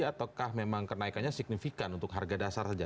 ataukah memang kenaikannya signifikan untuk harga dasar saja